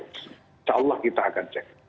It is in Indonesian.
insya allah kita akan cek